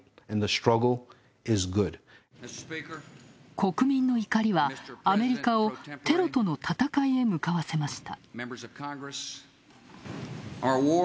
国民の怒りはアメリカをテロとの戦いへ向かわせました。